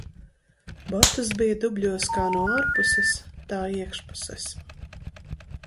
Botas bija dubļos kā no ārpuses, tā iekšpuses.